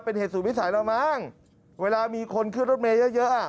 เป็นเหตุสูตรวิสัยเรามั้งเวลามีคนเคลื่อนรถเมล์เยอะ